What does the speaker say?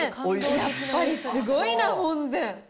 やっぱりすごいな、本膳！